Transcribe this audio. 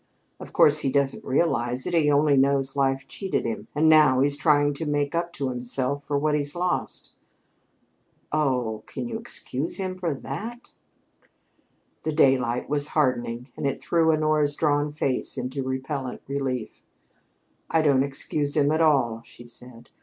Of course, he doesn't realize it. He only knows life cheated him, and now he's trying to make up to himself for what he's lost." "Oh, can you excuse him like that?" The daylight was hardening, and it threw Honora's drawn face into repellent relief. "I don't excuse him at all!" she said.